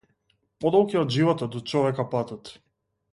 Подолг е од животот до човека патот.